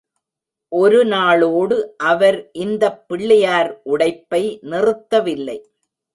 ஒரு நாளோடு அவர் இந்தப் பிள்ளையார் உடைப்பை நிறுத்தவில்லை.